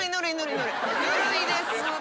ぬるいですね。